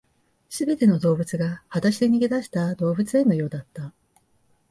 全ての動物が裸足で逃げ出した動物園のようだった